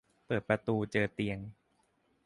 เปิดประตูเจอเตียง